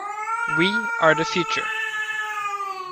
We are the future.